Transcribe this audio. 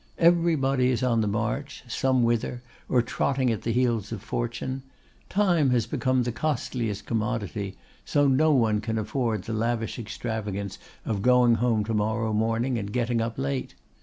Everybody is on the march some whither, or trotting at the heels of Fortune. Time has become the costliest commodity, so no one can afford the lavish extravagance of going home to morrow morning and getting up late.